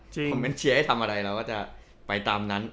คอมเมนต์เชียร์ให้ทำอะไรเราก็จะไปตามนั้น